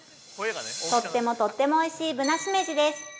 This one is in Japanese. とってもとってもおいしいぶなしめじです。